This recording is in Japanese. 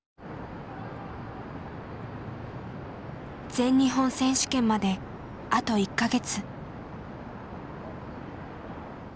全日本選手権まであと１か月。